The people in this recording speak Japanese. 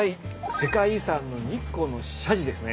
世界遺産の日光の社寺ですね。